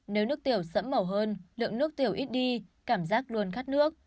nếu nước tiểu sẫm màu hơn lượng nước tiểu ít đi cảm giác luôn khát nước